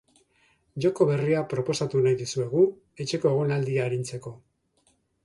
Joko berria proposatu nahi dizuegu etxeko egonaldia arintzeko.